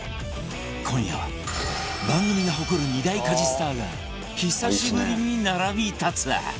今夜は番組が誇る２大家事スターが久しぶりに並び立つ